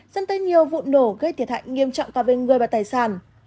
dẫn tới nhiều vụ nổ gây thiệt hại nghiêm trọng qua bên người và tài sản